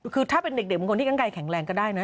คือถ้าเป็นเด็กบางคนที่ข้างไกลแข็งแรงก็ได้นะ